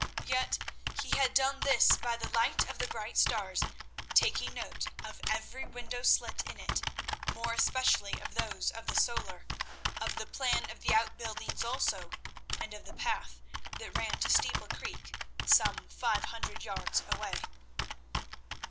Yet he had done this by the light of the bright stars, taking note of every window slit in it, more especially of those of the solar; of the plan of the outbuildings also, and of the path that ran to Steeple Creek some five hundred yards away.